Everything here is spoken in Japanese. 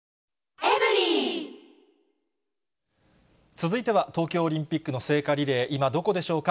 続いては東京オリンピックの聖火リレー、今どこでしょうか。